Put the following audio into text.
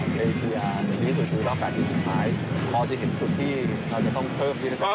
เราจะเห็นจุดที่เราจะต้องเพิ่มได้ไหมครับ